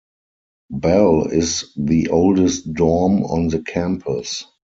Belle is the oldest dorm on the campus.